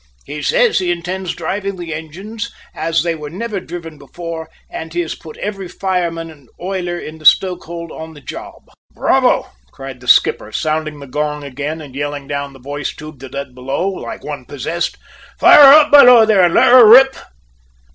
He says he intends driving the engines as they were never driven before, and he has put every fireman and oiler in the stoke hold on the job." "Bravo!" cried the skipper, sounding the gong again and yelling down the voice tube that led below like one possessed. "Fire up, below there, and let her rip!"